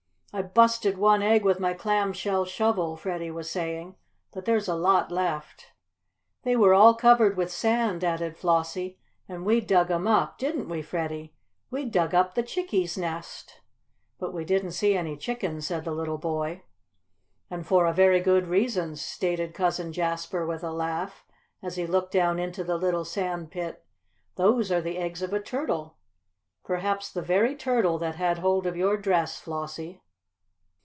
"I busted one egg with my clam shell shovel," Freddie was saying, "but there's a lot left." "They were all covered with sand," added Flossie. "And we dug 'em up! Didn't we, Freddie? We dug up the chickie's nest!" "But we didn't see any chickens," said the little boy. "And for a very good reason," stated Cousin Jasper with a laugh, as he looked down into the little sand pit. "Those are the eggs of a turtle. Perhaps the very turtle that had hold of your dress, Flossie."